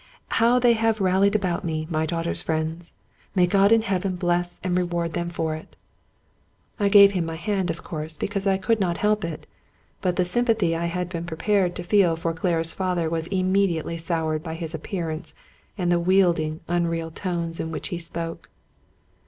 How they have ral lied about me, my daughter's friends I May God in heaven bless and reward them for it !" 191 Scotch Mystery Stories I gave him my hand, of course, because I could not help it ; but the sympathy I had been prepared to feel for Clara's father was immediately soured by his appearance, and the wheedling, unreal tones in which he spoke.